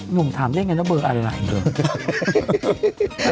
หนุ่มถามได้ไงว่าเบอร์อะไร